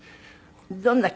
どんな曲？